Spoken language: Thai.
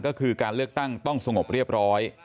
ก็คือการเลือกตั้งต้องสงบเรียบร้อย